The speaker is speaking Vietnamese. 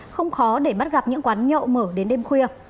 không khó để bắt gặp những quán nhậu mở đến đêm khuya